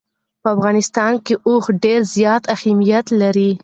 په افغانستان کې اوښ ډېر زیات اهمیت لري.